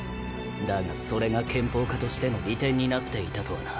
だがそれが拳法家としての利点になっていたとはな。